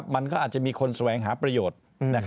มันก็อาจจะมีคนแสวงหาประโยชน์